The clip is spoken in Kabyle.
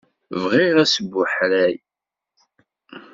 Bɣiɣ asbuḥray.